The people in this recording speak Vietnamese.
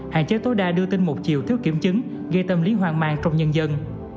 hạn chế tối đa đưa tin một chiều thiếu kiểm chứng gây tâm lý hoang mang trong nhân dân